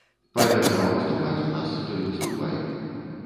Паабяцаў выступаць у нас, то і выступай.